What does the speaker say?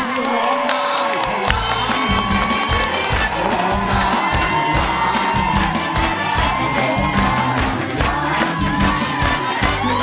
สวัสดีคุณ